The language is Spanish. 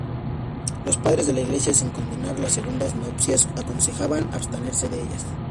Los Padres de la Iglesia, sin condenar las segundas nupcias, aconsejaban abstenerse de ellas.